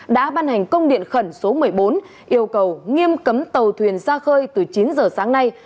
đã ban hành công điện khẩn số một mươi bốn yêu cầu nghiêm cấm tàu thuyền ra khơi từ chín giờ sáng nay